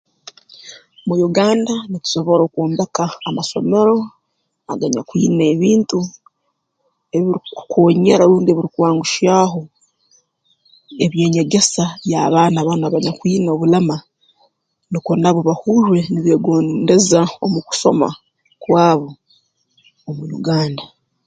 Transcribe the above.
Mu Uganda nitusobora okwombeka amasomero aganyakwine ebintu ebirukukoonyera rundi ebirukwanguhyaho eby'enyegesa y'abaana banu abanyakwine obulema nukwo nabo bahurre nibeegondeza omu kusoma kwabo omu Uganda